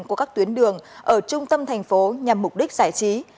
của các tuyến đường ở trung tâm thành phố nhằm mục đích giải trí